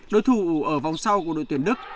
đối thủ ở vòng sau của đội tuyển đức